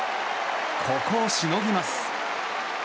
ここをしのぎます。